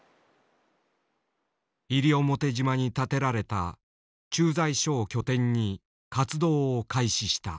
西表島に建てられた駐在所を拠点に活動を開始した。